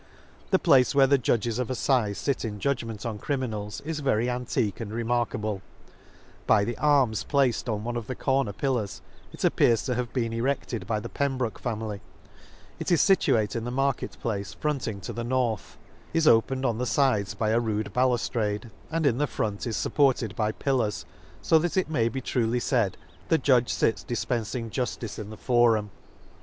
The place where the judges of Aflize fit in judgment on criminals is very an tique and remarkable; — by the arms placed on one of the corner pillars, it ap pears to have been eredled by the Pem broke family ;— it is fituate in the market place fronting to the north, is opened on the fides by a rude baluftrade, and in the front is fupported by pillars: fo that it may be truly faid, the Judge fits difpen fing juflice in the forum.